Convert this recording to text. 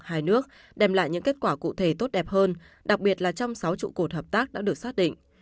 hai nước đem lại những kết quả cụ thể tốt đẹp hơn đặc biệt là trong sáu trụ cột hợp tác đã được xác định